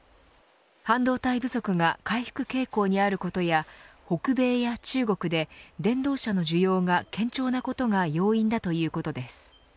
半導体不足が回復傾向にあることや北米や中国で電動車の需要が堅調なことが要因だということです。